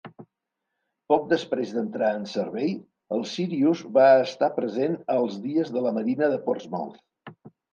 Poc després d'entrar en servei, el Sirius va estar present als Dies de la Marina de Portsmouth.